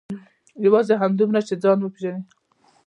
یوازې همدومره چې خپل ځان وپېژنم.